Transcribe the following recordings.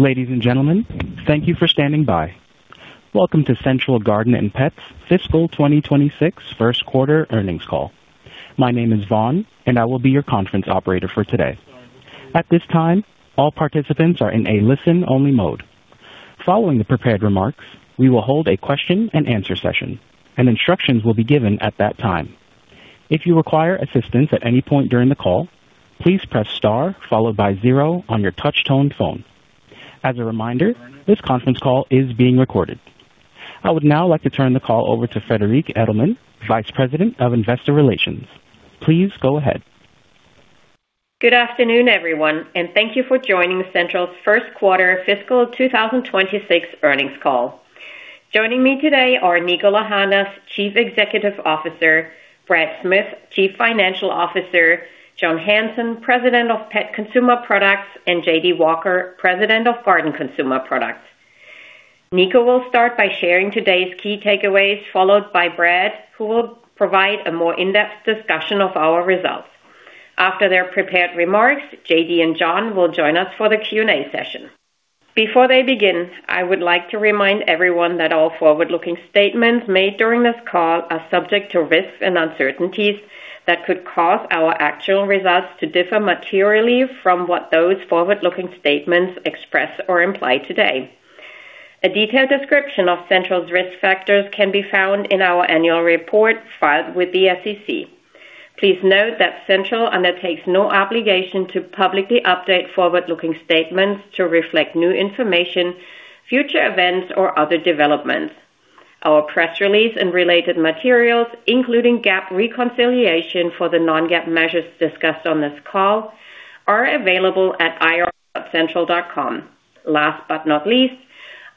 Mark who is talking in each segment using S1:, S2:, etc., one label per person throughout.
S1: Ladies and gentlemen, thank you for standing by. Welcome to Central Garden & Pet's Fiscal 2026 First Quarter Earnings Call. My name is Vaughn, and I will be your conference operator for today. At this time, all participants are in a listen-only mode. Following the prepared remarks, we will hold a question-and-answer session, and instructions will be given at that time. If you require assistance at any point during the call, please press star followed by 0 on your touch-tone phone. As a reminder, this conference call is being recorded. I would now like to turn the call over to Friederike Edelmann, Vice President of Investor Relations. Please go ahead.
S2: Good afternoon, everyone, and thank you for joining Central's First Quarter Fiscal 2026 Earnings Call. Joining me today are Niko Lahanas, Chief Executive Officer, Brad Smith, Chief Financial Officer, John Hanson, President of Pet Consumer Products, and J.D. Walker, President of Garden Consumer Products. Niko will start by sharing today's key takeaways, followed by Brad, who will provide a more in-depth discussion of our results. After their prepared remarks, J.D. and John will join us for the Q&A session. Before they begin, I would like to remind everyone that all forward-looking statements made during this call are subject to risks and uncertainties that could cause our actual results to differ materially from what those forward-looking statements express or imply today. A detailed description of Central's risk factors can be found in our annual report filed with the SEC. Please note that Central undertakes no obligation to publicly update forward-looking statements to reflect new information, future events, or other developments. Our press release and related materials, including GAAP reconciliation for the non-GAAP measures discussed on this call, are available at irc.central.com. Last but not least,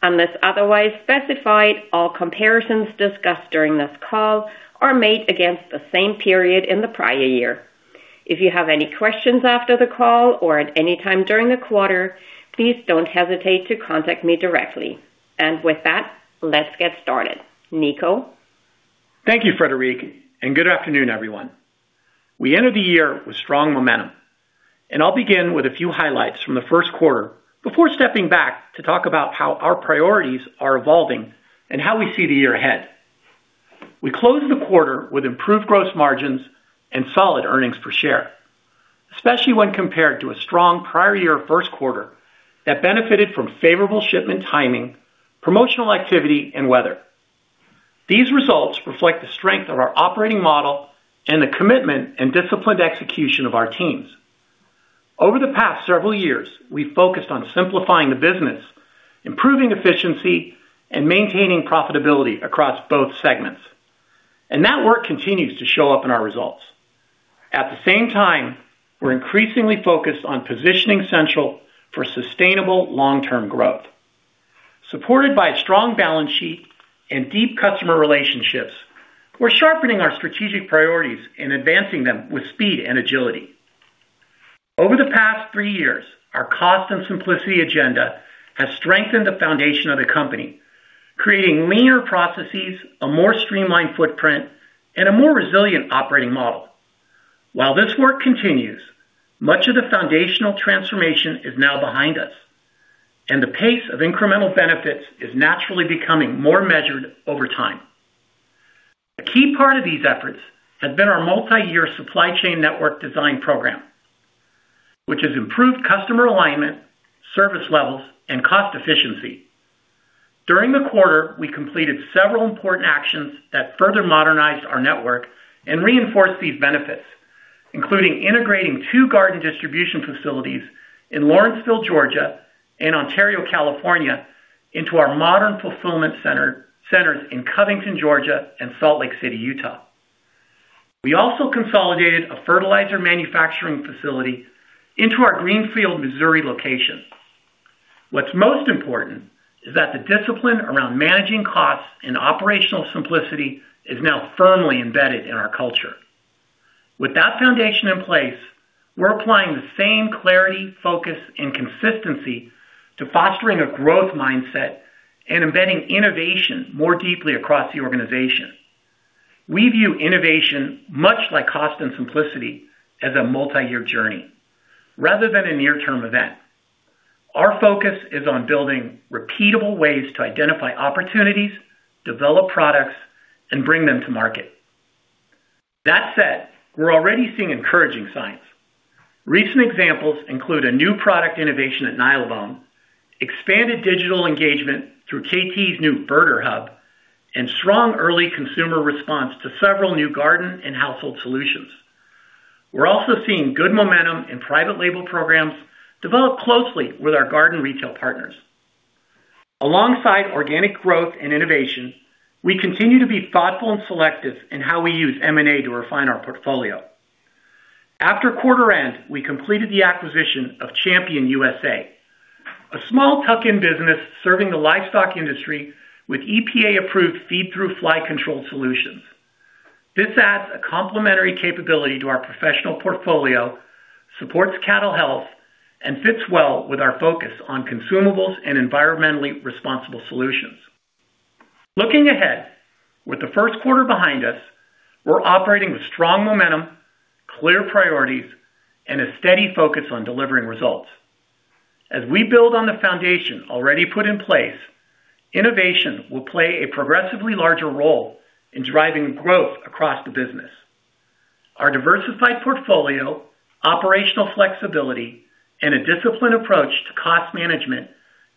S2: unless otherwise specified, all comparisons discussed during this call are made against the same period in the prior year. If you have any questions after the call or at any time during the quarter, please don't hesitate to contact me directly. With that, let's get started. Niko?
S3: Thank you, Friederike, and good afternoon, everyone. We entered the year with strong momentum, and I'll begin with a few highlights from the first quarter before stepping back to talk about how our priorities are evolving and how we see the year ahead. We closed the quarter with improved gross margins and solid earnings per share, especially when compared to a strong prior-year first quarter that benefited from favorable shipment timing, promotional activity, and weather. These results reflect the strength of our operating model and the commitment and disciplined execution of our teams. Over the past several years, we've focused on simplifying the business, improving efficiency, and maintaining profitability across both segments, and that work continues to show up in our results. At the same time, we're increasingly focused on positioning Central for sustainable long-term growth. Supported by a strong balance sheet and deep customer relationships, we're sharpening our strategic priorities and advancing them with speed and agility. Over the past three years, our cost and simplicity agenda has strengthened the foundation of the company, creating leaner processes, a more streamlined footprint, and a more resilient operating model. While this work continues, much of the foundational transformation is now behind us, and the pace of incremental benefits is naturally becoming more measured over time. A key part of these efforts has been our multi-year supply chain network design program, which has improved customer alignment, service levels, and cost efficiency. During the quarter, we completed several important actions that further modernized our network and reinforced these benefits, including integrating two garden distribution facilities in Lawrenceville, Georgia, and Ontario, California, into our modern fulfillment centers in Covington, Georgia, and Salt Lake City, Utah. We also consolidated a fertilizer manufacturing facility into our Greenfield, Missouri location. What's most important is that the discipline around managing costs and operational simplicity is now firmly embedded in our culture. With that foundation in place, we're applying the same clarity, focus, and consistency to fostering a growth mindset and embedding innovation more deeply across the organization. We view innovation, much like cost and simplicity, as a multi-year journey rather than a near-term event. Our focus is on building repeatable ways to identify opportunities, develop products, and bring them to market. That said, we're already seeing encouraging signs. Recent examples include a new product innovation at Nylabone, expanded digital engagement through Kaytee's new Birder Hub, and strong early consumer response to several new garden and household solutions. We're also seeing good momentum in private label programs developed closely with our garden retail partners. Alongside organic growth and innovation, we continue to be thoughtful and selective in how we use M&A to refine our portfolio. After quarter-end, we completed the acquisition of Champion USA, a small tuck-in business serving the livestock industry with EPA-approved feed-through fly control solutions. This adds a complementary capability to our professional portfolio, supports cattle health, and fits well with our focus on consumables and environmentally responsible solutions. Looking ahead, with the first quarter behind us, we're operating with strong momentum, clear priorities, and a steady focus on delivering results. As we build on the foundation already put in place, innovation will play a progressively larger role in driving growth across the business. Our diversified portfolio, operational flexibility, and a disciplined approach to cost management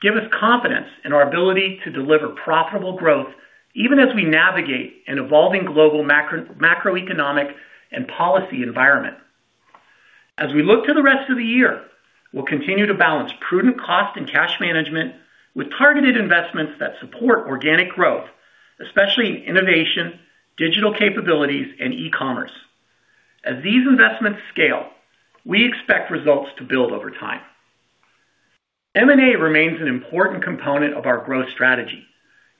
S3: give us confidence in our ability to deliver profitable growth even as we navigate an evolving global macroeconomic and policy environment. As we look to the rest of the year, we'll continue to balance prudent cost and cash management with targeted investments that support organic growth, especially in innovation, digital capabilities, and e-commerce. As these investments scale, we expect results to build over time. M&A remains an important component of our growth strategy.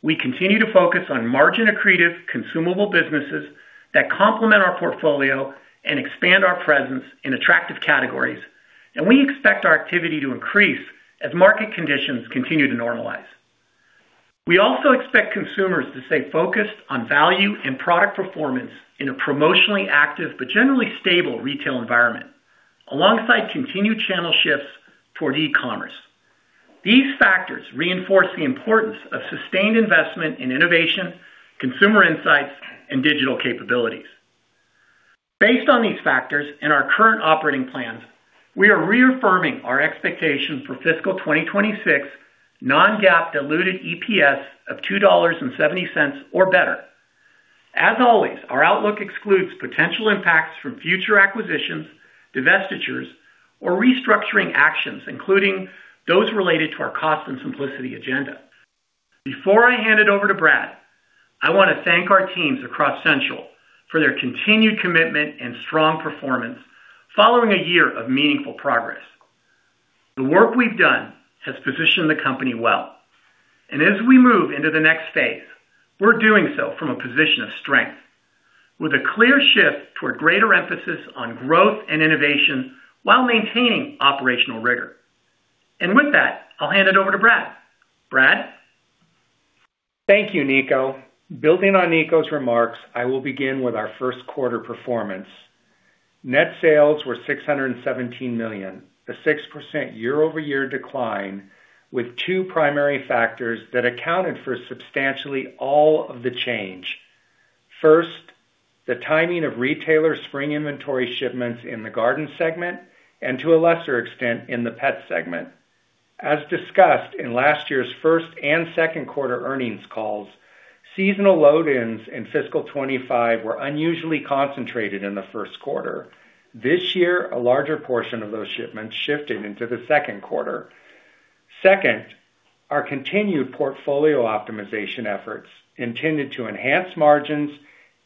S3: We continue to focus on margin-accretive consumable businesses that complement our portfolio and expand our presence in attractive categories, and we expect our activity to increase as market conditions continue to normalize. We also expect consumers to stay focused on value and product performance in a promotionally active but generally stable retail environment, alongside continued channel shifts toward e-commerce. These factors reinforce the importance of sustained investment in innovation, consumer insights, and digital capabilities. Based on these factors and our current operating plans, we are reaffirming our expectation for Fiscal 2026 non-GAAP diluted EPS of $2.70 or better. As always, our outlook excludes potential impacts from future acquisitions, divestitures, or restructuring actions, including those related to our cost and simplicity agenda. Before I hand it over to Brad, I want to thank our teams across Central for their continued commitment and strong performance following a year of meaningful progress. The work we've done has positioned the company well, and as we move into the next phase, we're doing so from a position of strength, with a clear shift toward greater emphasis on growth and innovation while maintaining operational rigor. And with that, I'll hand it over to Brad. Brad?
S4: Thank you, Niko. Building on Niko's remarks, I will begin with our first quarter performance. Net sales were $617 million, a 6% year-over-year decline, with two primary factors that accounted for substantially all of the change. First, the timing of retailer spring inventory shipments in the garden segment and, to a lesser extent, in the pet segment. As discussed in last year's first and second quarter earnings calls, seasonal load-ins in Fiscal 2025 were unusually concentrated in the first quarter. This year, a larger portion of those shipments shifted into the second quarter. Second, our continued portfolio optimization efforts intended to enhance margins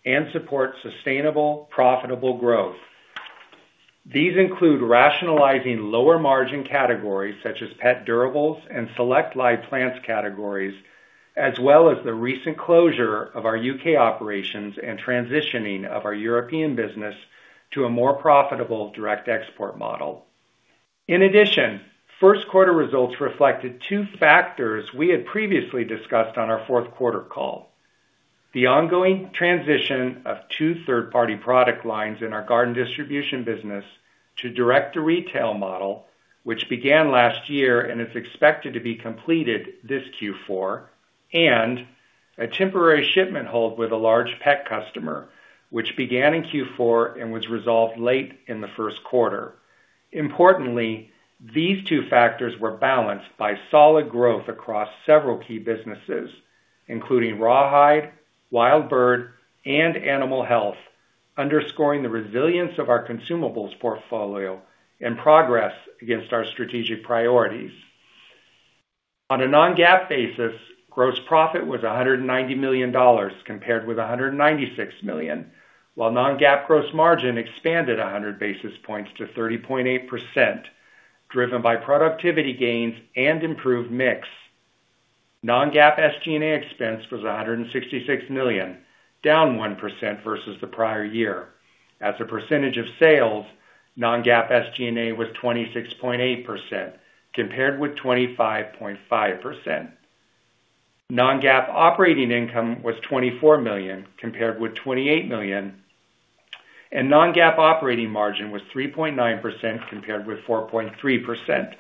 S4: and support sustainable, profitable growth. These include rationalizing lower-margin categories such as pet durables and select live plants categories, as well as the recent closure of our UK operations and transitioning of our European business to a more profitable direct export model. In addition, first quarter results reflected two factors we had previously discussed on our fourth quarter call: the ongoing transition of two third-party product lines in our garden distribution business to direct-to-retail model, which began last year and is expected to be completed this Q4, and a temporary shipment hold with a large pet customer, which began in Q4 and was resolved late in the first quarter. Importantly, these two factors were balanced by solid growth across several key businesses, including rawhide, wild bird, and animal health, underscoring the resilience of our consumables portfolio and progress against our strategic priorities. On a non-GAAP basis, gross profit was $190 million compared with $196 million, while non-GAAP gross margin expanded 100 basis points to 30.8%, driven by productivity gains and improved mix. Non-GAAP SG&A expense was $166 million, down 1% versus the prior year. As a percentage of sales, Non-GAAP SG&A was 26.8% compared with 25.5%. Non-GAAP operating income was $24 million compared with $28 million, and Non-GAAP operating margin was 3.9% compared with 4.3%.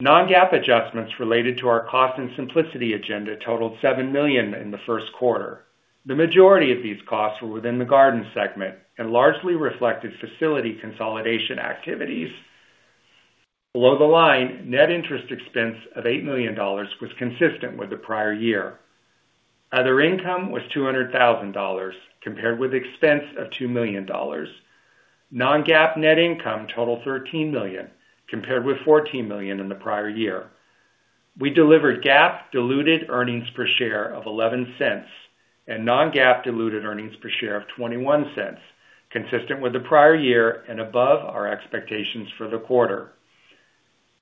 S4: Non-GAAP adjustments related to our cost and simplicity agenda totaled $7 million in the first quarter. The majority of these costs were within the garden segment and largely reflected facility consolidation activities. Below the line, net interest expense of $8 million was consistent with the prior year. Other income was $200,000 compared with expense of $2 million. Non-GAAP net income totaled $13 million compared with $14 million in the prior year. We delivered GAAP diluted earnings per share of $0.11 and Non-GAAP diluted earnings per share of $0.21, consistent with the prior year and above our expectations for the quarter.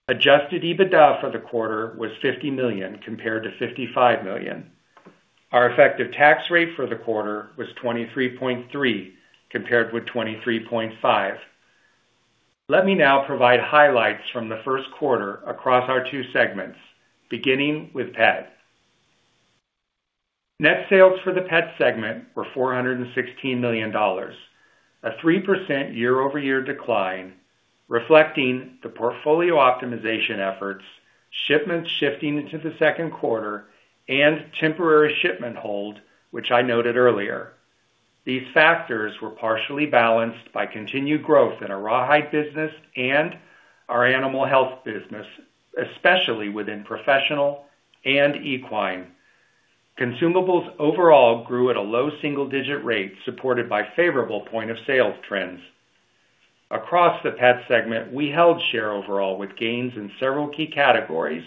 S4: Adjusted EBITDA for the quarter was $50 million compared to $55 million. Our effective tax rate for the quarter was 23.3% compared with 23.5%. Let me now provide highlights from the first quarter across our two segments, beginning with pet. Net sales for the pet segment were $416 million, a 3% year-over-year decline, reflecting the portfolio optimization efforts, shipments shifting into the second quarter, and temporary shipment hold, which I noted earlier. These factors were partially balanced by continued growth in our rawhide business and our animal health business, especially within professional and equine. Consumables overall grew at a low single-digit rate supported by favorable point-of-sale trends. Across the pet segment, we held share overall with gains in several key categories,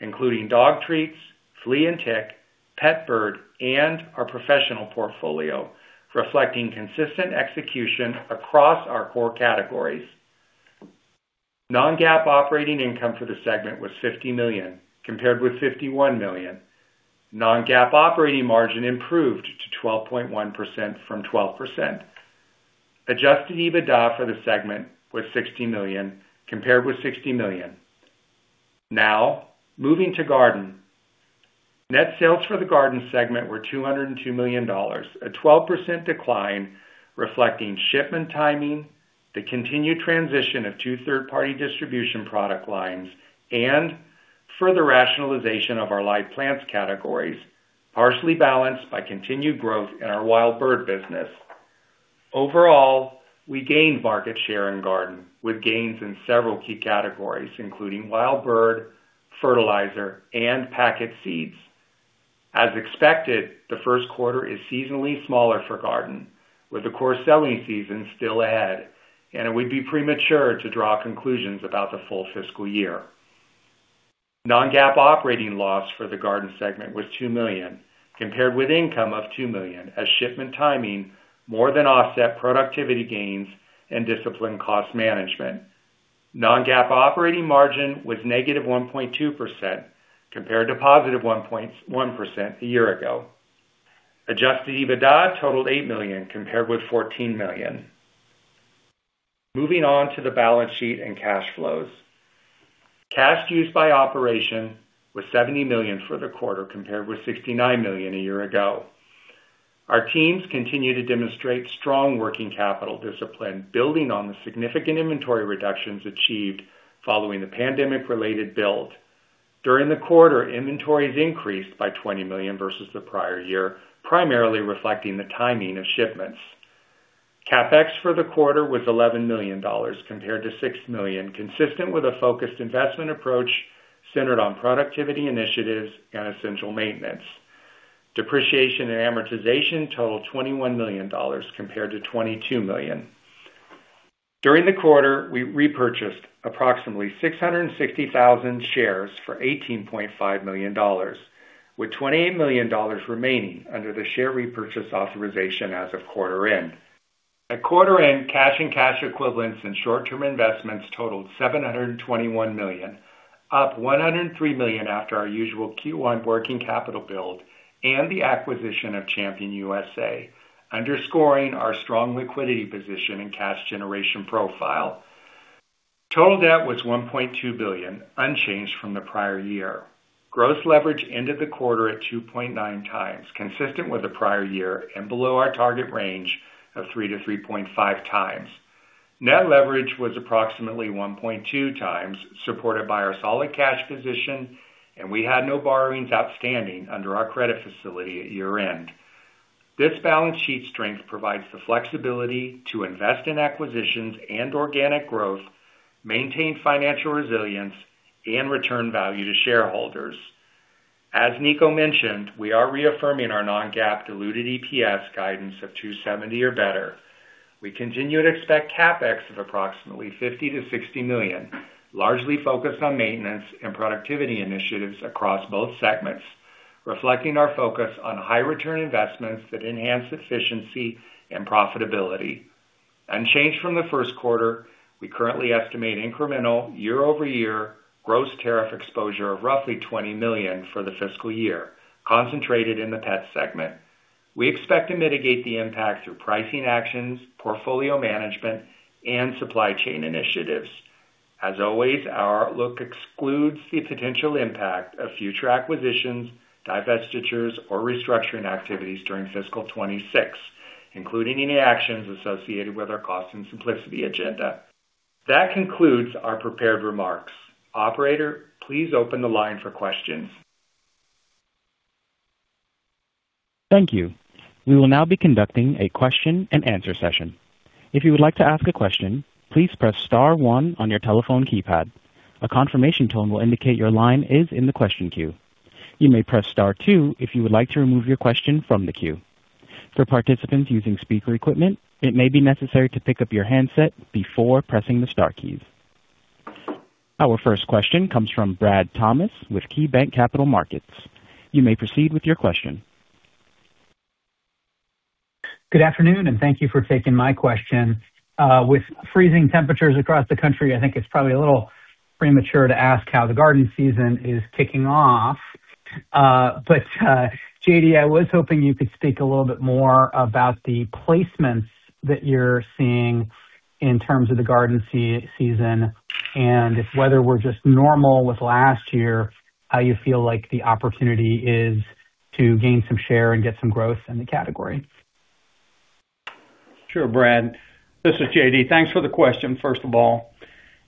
S4: including dog treats, flea and tick, pet bird, and our professional portfolio, reflecting consistent execution across our core categories. Non-GAAP operating income for the segment was $50 million compared with $51 million. Non-GAAP operating margin improved to 12.1% from 12%. Adjusted EBITDA for the segment was $60 million compared with $60 million. Now, moving to garden. Net sales for the garden segment were $202 million, a 12% decline, reflecting shipment timing, the continued transition of two third-party distribution product lines, and further rationalization of our live plants categories, partially balanced by continued growth in our wild bird business. Overall, we gained market share in garden with gains in several key categories, including wild bird, fertilizer, and packet seeds. As expected, the first quarter is seasonally smaller for garden, with the core selling season still ahead, and it would be premature to draw conclusions about the full fiscal year. Non-GAAP operating loss for the garden segment was $2 million compared with income of $2 million, as shipment timing more than offset productivity gains and disciplined cost management. Non-GAAP operating margin was -1.2% compared to +1.1% a year ago. Adjusted EBITDA totaled $8 million compared with $14 million. Moving on to the balance sheet and cash flows. Cash used by operations was $70 million for the quarter compared with $69 million a year ago. Our teams continue to demonstrate strong working capital discipline, building on the significant inventory reductions achieved following the pandemic-related build. During the quarter, inventories increased by $20 million versus the prior year, primarily reflecting the timing of shipments. CapEx for the quarter was $11 million compared to $6 million, consistent with a focused investment approach centered on productivity initiatives and essential maintenance. Depreciation and amortization totaled $21 million compared to $22 million. During the quarter, we repurchased approximately 660,000 shares for $18.5 million, with $28 million remaining under the share repurchase authorization as of quarter-end. At quarter-end, cash and cash equivalents in short-term investments totaled $721 million, up $103 million after our usual Q1 working capital build and the acquisition of Champion USA, underscoring our strong liquidity position and cash generation profile. Total debt was $1.2 billion, unchanged from the prior year. Gross leverage ended the quarter at 2.9 times, consistent with the prior year and below our target range of 3-3.5 times. Net leverage was approximately 1.2 times, supported by our solid cash position, and we had no borrowings outstanding under our credit facility at year-end. This balance sheet strength provides the flexibility to invest in acquisitions and organic growth, maintain financial resilience, and return value to shareholders. As Niko mentioned, we are reaffirming our non-GAAP diluted EPS guidance of $270 or better. We continue to expect Capex of approximately $50-$60 million, largely focused on maintenance and productivity initiatives across both segments, reflecting our focus on high-return investments that enhance efficiency and profitability. Unchanged from the first quarter, we currently estimate incremental, year-over-year, gross tariff exposure of roughly $20 million for the fiscal year, concentrated in the pet segment. We expect to mitigate the impact through pricing actions, portfolio management, and supply chain initiatives. As always, our outlook excludes the potential impact of future acquisitions, divestitures, or restructuring activities during Fiscal 2026, including any actions associated with our cost and simplicity agenda. That concludes our prepared remarks. Operator, please open the line for questions.
S1: Thank you. We will now be conducting a question-and-answer session. If you would like to ask a question, please press *1 on your telephone keypad. A confirmation tone will indicate your line is in the question queue. You may press *2 if you would like to remove your question from the queue. For participants using speaker equipment, it may be necessary to pick up your handset before pressing the star keys. Our first question comes from Brad Thomas with KeyBanc Capital Markets. You may proceed with your question.
S5: Good afternoon, and thank you for taking my question. With freezing temperatures across the country, I think it's probably a little premature to ask how the garden season is kicking off. But, J.D., I was hoping you could speak a little bit more about the placements that you're seeing in terms of the garden season and whether we're just normal with last year, how you feel like the opportunity is to gain some share and get some growth in the category.
S6: Sure, Brad. This is J.D. Thanks for the question, first of all.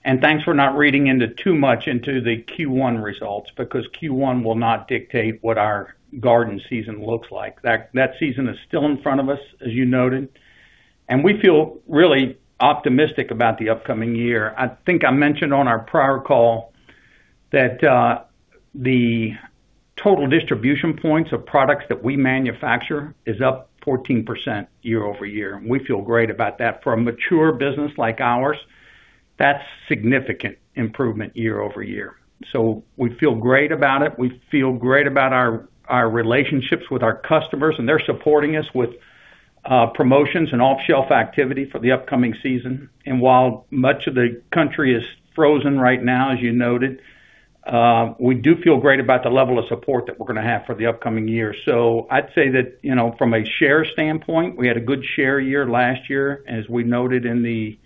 S6: And thanks for not reading too much into the Q1 results because Q1 will not dictate what our garden season looks like. That season is still in front of us, as you noted. And we feel really optimistic about the upcoming year. I think I mentioned on our prior call that the total distribution points of products that we manufacture is up 14% year-over-year. We feel great about that. For a mature business like ours, that's significant improvement year-over-year. So we feel great about it. We feel great about our relationships with our customers, and they're supporting us with promotions and off-shelf activity for the upcoming season. While much of the country is frozen right now, as you noted, we do feel great about the level of support that we're going to have for the upcoming year. So I'd say that from a share standpoint, we had a good share year last year. As we noted in the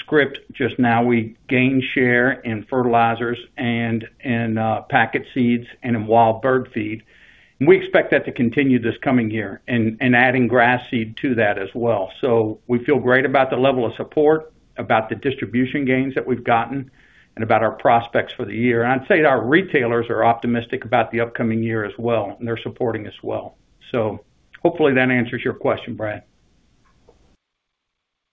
S6: script just now, we gained share in fertilizers and in packet seeds and in wild bird feed. We expect that to continue this coming year and adding grass seed to that as well. So we feel great about the level of support, about the distribution gains that we've gotten, and about our prospects for the year. And I'd say our retailers are optimistic about the upcoming year as well, and they're supporting us well. So hopefully, that answers your question, Brad.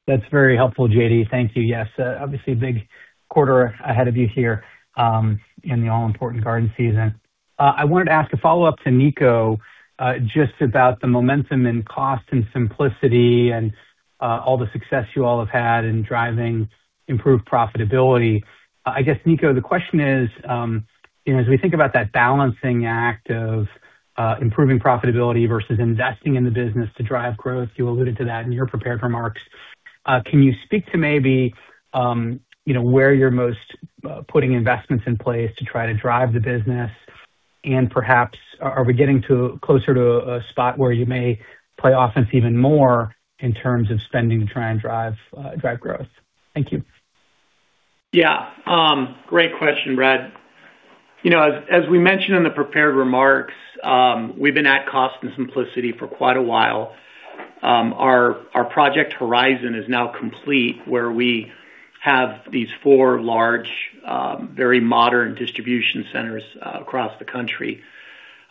S5: That's very helpful, J.D. Thank you. Yes, obviously, a big quarter ahead of you here in the all-important garden season. I wanted to ask a follow-up to Niko just about the momentum in cost and simplicity and all the success you all have had in driving improved profitability. I guess, Niko, the question is, as we think about that balancing act of improving profitability versus investing in the business to drive growth - you alluded to that in your prepared remarks - can you speak to maybe where you're most putting investments in place to try to drive the business? And perhaps, are we getting closer to a spot where you may play offense even more in terms of spending to try and drive growth? Thank you.
S3: Yeah. Great question, Brad. As we mentioned in the prepared remarks, we've been at cost and simplicity for quite a while. Our project horizon is now complete, where we have these four large, very modern distribution centers across the country.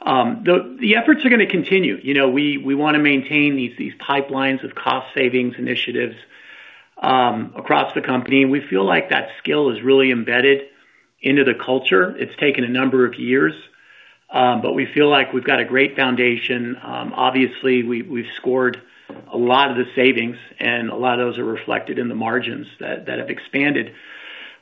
S3: The efforts are going to continue. We want to maintain these pipelines of cost-savings initiatives across the company. And we feel like that skill is really embedded into the culture. It's taken a number of years, but we feel like we've got a great foundation. Obviously, we've scored a lot of the savings, and a lot of those are reflected in the margins that have expanded.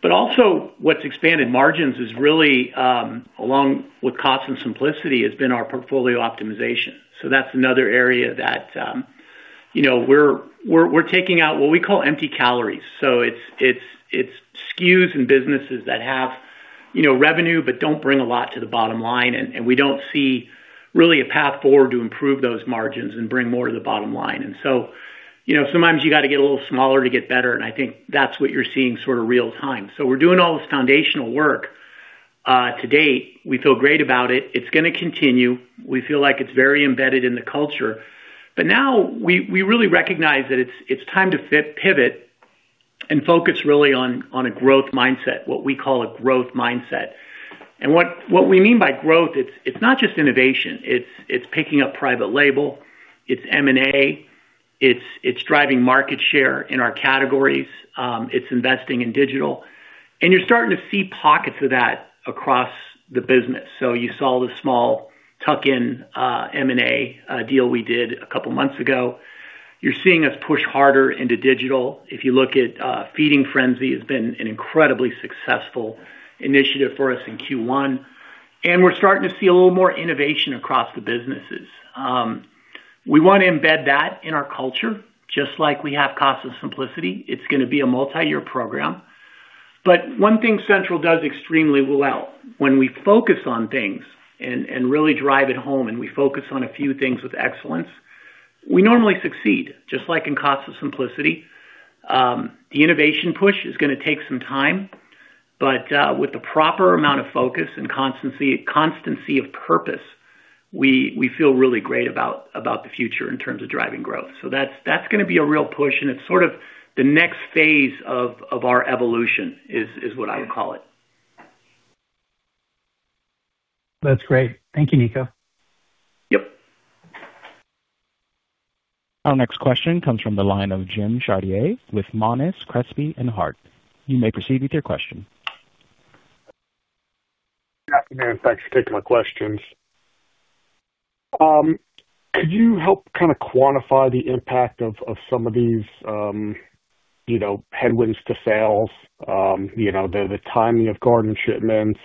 S3: But also, what's expanded margins is really, along with cost and simplicity, has been our portfolio optimization. So that's another area that we're taking out what we call empty calories. So it's SKUs and businesses that have revenue but don't bring a lot to the bottom line, and we don't see really a path forward to improve those margins and bring more to the bottom line. And so sometimes you got to get a little smaller to get better, and I think that's what you're seeing sort of real-time. So we're doing all this foundational work to date. We feel great about it. It's going to continue. We feel like it's very embedded in the culture. But now, we really recognize that it's time to pivot and focus really on a growth mindset, what we call a growth mindset. And what we mean by growth, it's not just innovation. It's picking up private label. It's M&A. It's driving market share in our categories. It's investing in digital. And you're starting to see pockets of that across the business. So you saw the small tuck-in M&A deal we did a couple of months ago. You're seeing us push harder into digital. If you look at Feeding Frenzy, it's been an incredibly successful initiative for us in Q1. And we're starting to see a little more innovation across the businesses. We want to embed that in our culture, just like we have cost and simplicity. It's going to be a multi-year program. But one thing Central does extremely well: when we focus on things and really drive it home, and we focus on a few things with excellence, we normally succeed, just like in cost and simplicity. The innovation push is going to take some time, but with the proper amount of focus and constancy of purpose, we feel really great about the future in terms of driving growth. So that's going to be a real push, and it's sort of the next phase of our evolution, is what I would call it.
S6: That's great. Thank you, Niko.
S4: Yep.
S1: Our next question comes from the line of Jim Chartier with Monness, Crespi, Hardt & Co. You may proceed with your question.
S7: Good afternoon. Thanks for taking my questions. Could you help kind of quantify the impact of some of these headwinds to sales, the timing of garden shipments,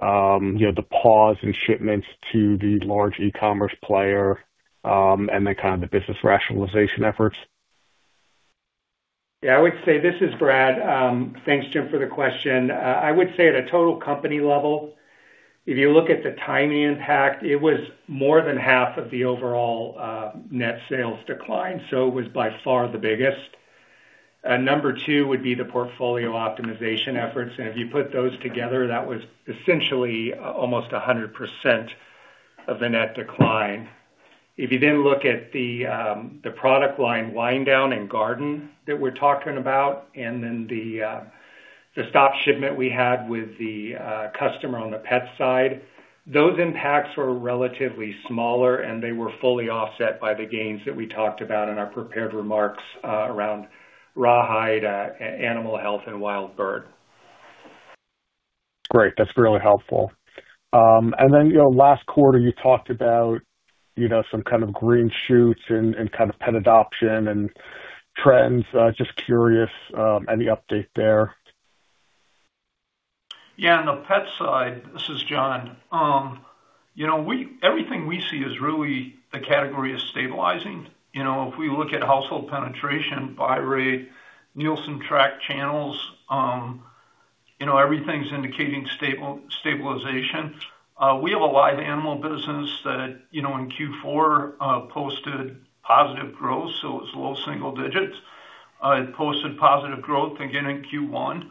S7: the pause in shipments to the large e-commerce player, and then kind of the business rationalization efforts?
S4: Yeah. I would say this is Brad. Thanks, Jim, for the question. I would say at a total company level, if you look at the timing impact, it was more than half of the overall net sales decline, so it was by far the biggest. Number two would be the portfolio optimization efforts. And if you put those together, that was essentially almost 100% of the net decline. If you then look at the product line wind-down in garden that we're talking about and then the stop shipment we had with the customer on the pet side, those impacts were relatively smaller, and they were fully offset by the gains that we talked about in our prepared remarks around Rawhide, animal health, and wild bird.
S7: Great. That's really helpful. And then last quarter, you talked about some kind of green shoots and kind of pet adoption and trends. Just curious, any update there? Yeah. On the pet side, this is John. Everything we see is really the category is stabilizing. If we look at household penetration, buy rate, Nielsen-tracked channels, everything's indicating stabilization. We have a live animal business that in Q4 posted positive growth, so it was low single digits. It posted positive growth, again, in Q1.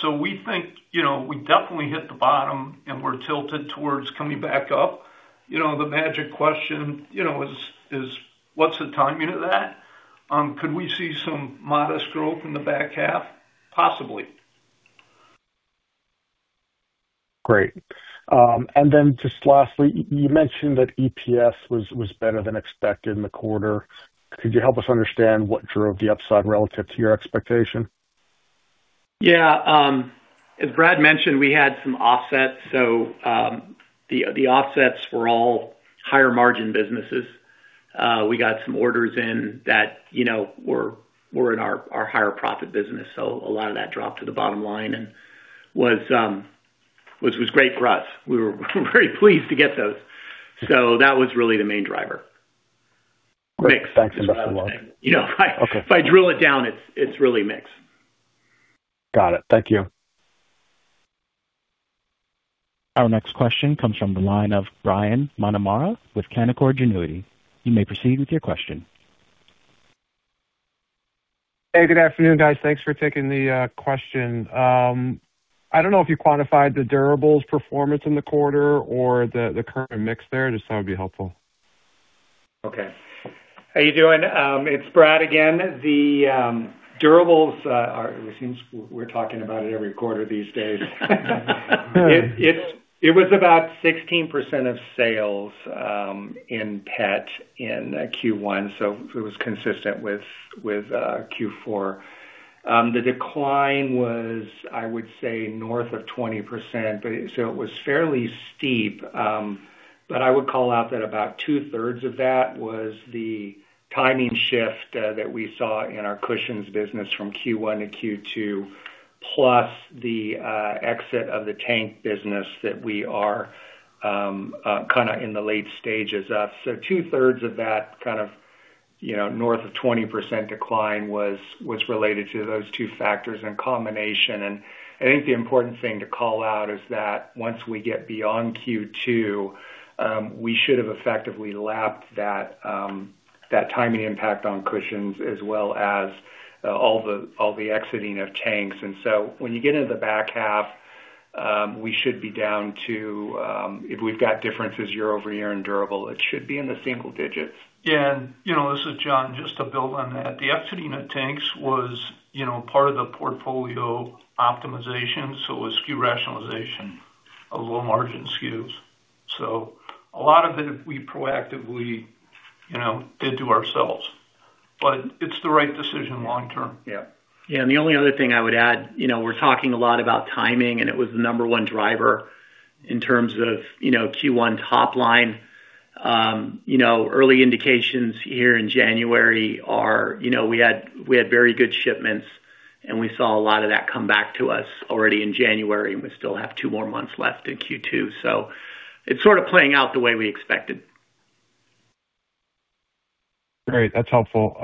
S7: So we think we definitely hit the bottom, and we're tilted towards coming back up. The magic question is, what's the timing of that? Could we see some modest growth in the back half? Possibly.
S4: Great. And then just lastly, you mentioned that EPS was better than expected in the quarter. Could you help us understand what drove the upside relative to your expectation?
S3: Yeah. As Brad mentioned, we had some offsets. So the offsets were all higher-margin businesses. We got some orders in that were in our higher-profit business, so a lot of that dropped to the bottom line and was great for us. We were very pleased to get those. So that was really the main driver.
S5: Great. Thanks, Niko Lahanas.
S3: If I drill it down, it's really mix.
S7: Got it. Thank you.
S1: Our next question comes from the line of Brian McNamara with Canaccord Genuity. You may proceed with your question.
S8: Hey, good afternoon, guys. Thanks for taking the question. I don't know if you quantified the Durables performance in the quarter or the current mix there. Just that would be helpful.
S4: Okay. How you doing? It's Brad again. The Durables, it seems we're talking about it every quarter these days. It was about 16% of sales in Pet in Q1, so it was consistent with Q4. The decline was, I would say, north of 20%, so it was fairly steep. But I would call out that about two-thirds of that was the timing shift that we saw in our cushions business from Q1 to Q2, plus the exit of the tank business that we are kind of in the late stages of. So two-thirds of that kind of north of 20% decline was related to those two factors in combination. And I think the important thing to call out is that once we get beyond Q2, we should have effectively lapped that timing impact on cushions as well as all the exiting of tanks. And so when you get into the back half, we should be down to if we've got differences year-over-year in Durable, it should be in the single digits.
S9: Yeah. And this is John, just to build on that. The exiting of tanks was part of the portfolio optimization, so it was SKU rationalization, a low-margin SKUs. So a lot of it we proactively did do ourselves, but it's the right decision long term.
S4: Yeah. And the only other thing I would add, we're talking a lot about timing, and it was the number one driver in terms of Q1 top line. Early indications here in January are we had very good shipments, and we saw a lot of that come back to us already in January, and we still have two more months left in Q2. So it's sort of playing out the way we expected.
S8: Great. That's helpful.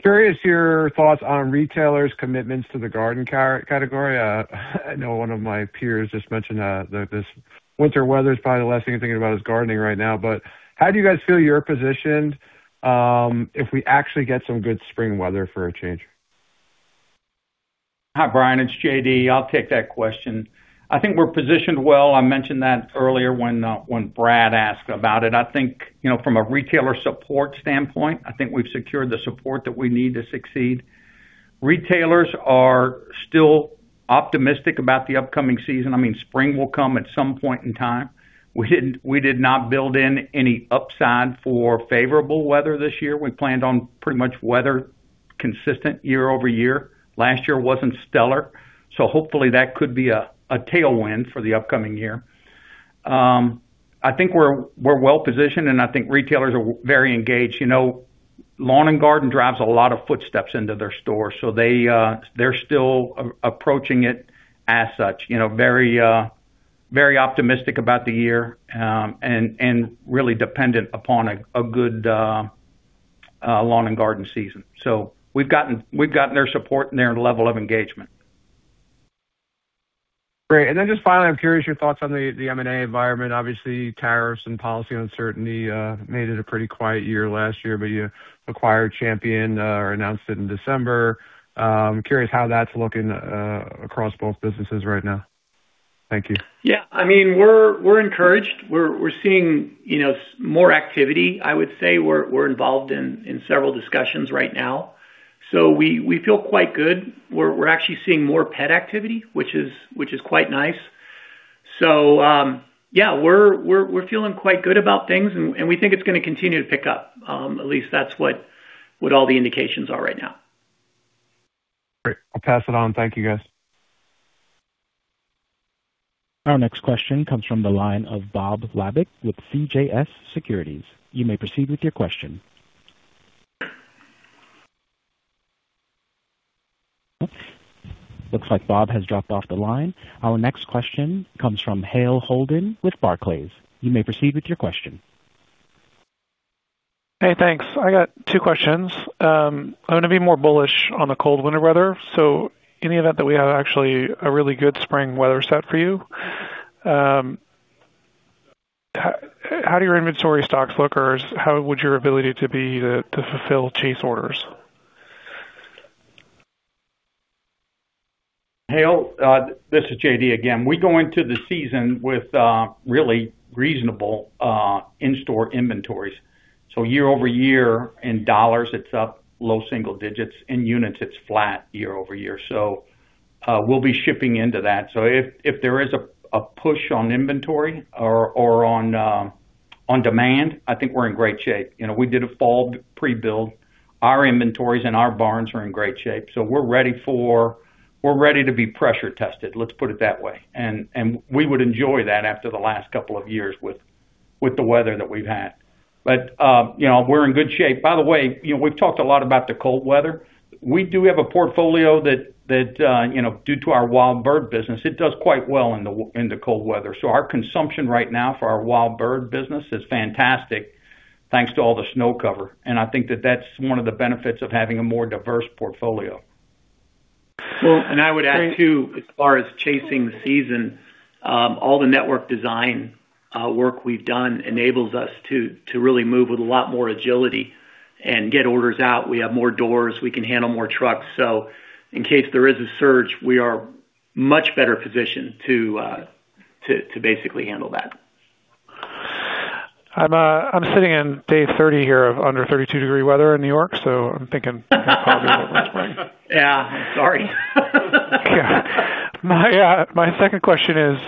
S8: Curious your thoughts on retailers' commitments to the garden category. I know one of my peers just mentioned this winter weather's probably the last thing you're thinking about is gardening right now. But how do you guys feel you're positioned if we actually get some good spring weather for a change?
S6: Hi, Brian. It's J.D. I'll take that question. I think we're positioned well. I mentioned that earlier when Brad asked about it. I think from a retailer support standpoint, I think we've secured the support that we need to succeed. Retailers are still optimistic about the upcoming season. I mean, spring will come at some point in time. We did not build in any upside for favorable weather this year. We planned on pretty much weather consistent year-over-year. Last year wasn't stellar. So hopefully, that could be a tailwind for the upcoming year. I think we're well-positioned, and I think retailers are very engaged. Lawn & Garden drives a lot of footsteps into their store, so they're still approaching it as such, very optimistic about the year and really dependent upon a good lawn and garden season. So we've gotten their support and their level of engagement.
S8: Great. Then just finally, I'm curious your thoughts on the M&A environment. Obviously, tariffs and policy uncertainty made it a pretty quiet year last year, but you acquired Champion or announced it in December. Curious how that's looking across both businesses right now? Thank you.
S4: Yeah. I mean, we're encouraged. We're seeing more activity. I would say we're involved in several discussions right now. So we feel quite good. We're actually seeing more pet activity, which is quite nice. So yeah, we're feeling quite good about things, and we think it's going to continue to pick up. At least that's what all the indications are right now.
S8: Great. I'll pass it on. Thank you, guys.
S1: Our next question comes from the line of Bob Labick with CJS Securities. You may proceed with your question. Looks like Bob has dropped off the line. Our next question comes from Hale Holden with Barclays. You may proceed with your question.
S8: Hey, thanks. I got two questions. I'm going to be more bullish on the cold winter weather, so in the event that we have actually a really good spring weather set for you, how do your inventory stocks look, or how would your ability to be to fulfill chase orders?
S6: Hale, this is J.D. again. We go into the season with really reasonable in-store inventories. So year-over-year, in dollars, it's up low single digits. In units, it's flat year-over-year. So we'll be shipping into that. So if there is a push on inventory or on demand, I think we're in great shape. We did a fall pre-build. Our inventories and our barns are in great shape, so we're ready to be pressure-tested, let's put it that way. And we would enjoy that after the last couple of years with the weather that we've had. But we're in good shape. By the way, we've talked a lot about the cold weather. We do have a portfolio that, due to our wild bird business, it does quite well in the cold weather. Our consumption right now for our wild bird business is fantastic thanks to all the snow cover. I think that that's one of the benefits of having a more diverse portfolio.
S8: Well, and I would add too, as far as chasing the season, all the network design work we've done enables us to really move with a lot more agility and get orders out. We have more doors. We can handle more trucks. So in case there is a surge, we are much better positioned to basically handle that.
S6: I'm sitting in day 30 here of under 32-degree weather in New York, so I'm thinking positive over the spring.
S4: Yeah. Sorry.
S8: My second question is,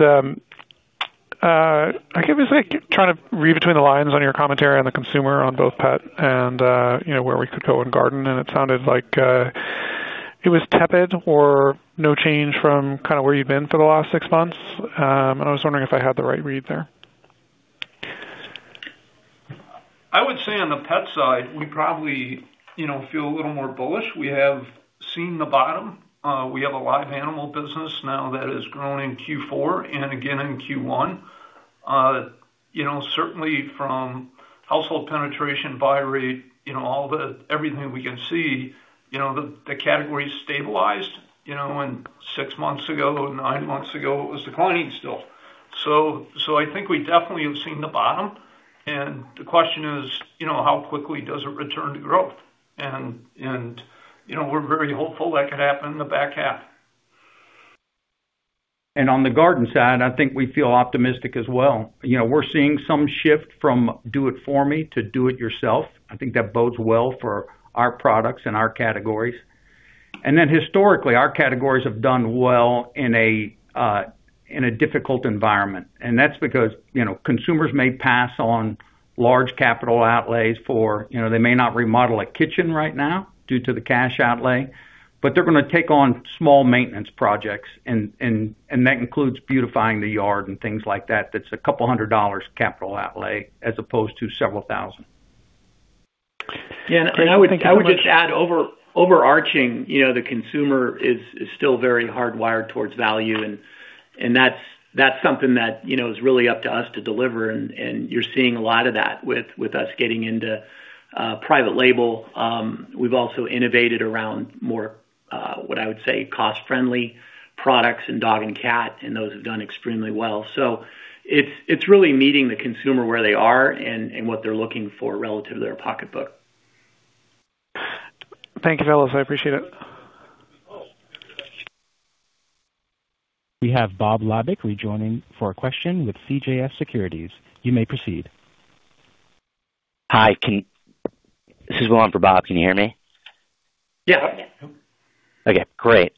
S8: I guess I was trying to read between the lines on your commentary on the consumer on both pet and where we could go in garden, and it sounded like it was tepid or no change from kind of where you've been for the last six months. I was wondering if I had the right read there.
S9: I would say on the pet side, we probably feel a little more bullish. We have seen the bottom. We have a live animal business now that has grown in Q4 and again in Q1. Certainly, from household penetration, buy rate, everything we can see, the category stabilized. And six months ago, nine months ago, it was declining still. So I think we definitely have seen the bottom. And the question is, how quickly does it return to growth? And we're very hopeful that could happen in the back half.
S6: On the garden side, I think we feel optimistic as well. We're seeing some shift from do-it-for-me to do-it-yourself. I think that bodes well for our products and our categories. Historically, our categories have done well in a difficult environment. That's because consumers may pass on large capital outlays, for they may not remodel a kitchen right now due to the cash outlay, but they're going to take on small maintenance projects. That includes beautifying the yard and things like that. That's a $200 capital outlay as opposed to several thousand.
S4: Yeah. I would just add, overarching, the consumer is still very hardwired towards value, and that's something that is really up to us to deliver. You're seeing a lot of that with us getting into private label. We've also innovated around more, what I would say, cost-friendly products and dog and cat, and those have done extremely well. So it's really meeting the consumer where they are and what they're looking for relative to their pocketbook.
S8: Thank you, fellas. I appreciate it.
S1: We have Bob Labick rejoining for a question with CJS Securities. You may proceed.
S8: Hi. This is Willem for Bob. Can you hear me?
S4: Yeah.
S8: Okay. Great.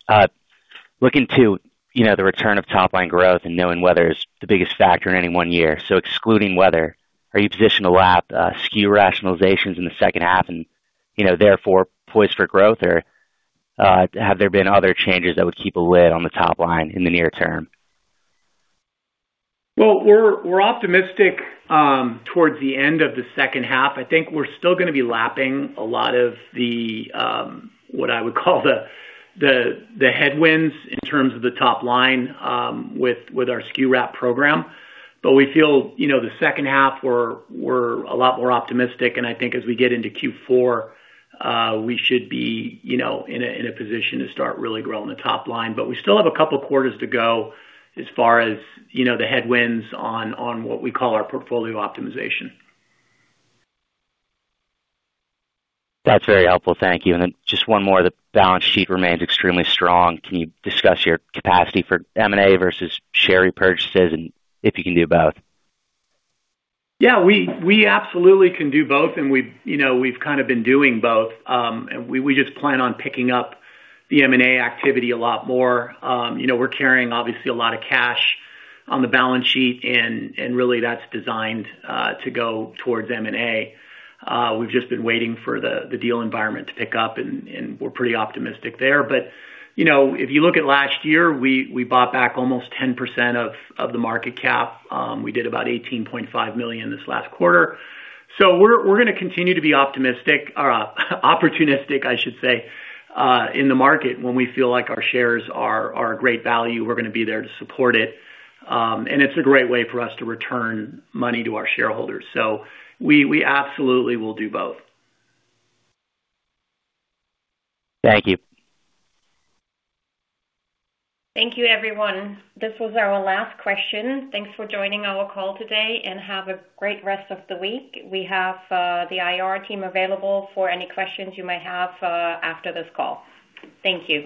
S8: Looking to the return of top-line growth and knowing weather is the biggest factor in any one year, so excluding weather, are you positioned to lap SKU rationalizations in the second half and therefore poised for growth, or have there been other changes that would keep a lid on the top line in the near term?
S4: Well, we're optimistic towards the end of the second half. I think we're still going to be lapping a lot of what I would call the headwinds in terms of the top line with our SKU rat program. But we feel the second half, we're a lot more optimistic. And I think as we get into Q4, we should be in a position to start really growing the top line. But we still have a couple quarters to go as far as the headwinds on what we call our portfolio optimization.
S8: That's very helpful. Thank you. And then just one more, the balance sheet remains extremely strong. Can you discuss your capacity for M&A versus share repurchases and if you can do both?
S4: Yeah. We absolutely can do both, and we've kind of been doing both. And we just plan on picking up the M&A activity a lot more. We're carrying, obviously, a lot of cash on the balance sheet, and really, that's designed to go towards M&A. We've just been waiting for the deal environment to pick up, and we're pretty optimistic there. But if you look at last year, we bought back almost 10% of the market cap. We did about $18.5 million this last quarter. So we're going to continue to be optimistic or opportunistic, I should say, in the market. When we feel like our shares are a great value, we're going to be there to support it. And it's a great way for us to return money to our shareholders. So we absolutely will do both.
S8: Thank you.
S2: Thank you, everyone. This was our last question. Thanks for joining our call today, and have a great rest of the week. We have the IR team available for any questions you may have after this call. Thank you.